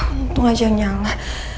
untung aja nyala